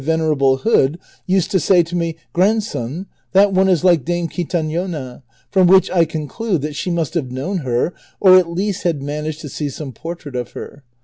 421 venerable hood, used to say to nie, ' Grandson, that one is like Dame Quintaiiona ;' from Avhicli T conclude that she must have known her, or at least had numaged to see some portrait of her.